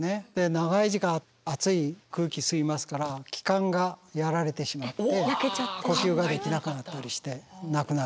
長い時間熱い空気吸いますから気管がやられてしまって呼吸ができなかったりして亡くなるんです。